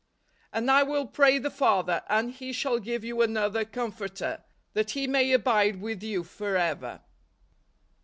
" And I will pray the Father, and he shall give you another Comforter , that he may abide with you forever